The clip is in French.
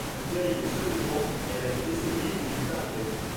La veille seulement, elle avait essayé de lui parler.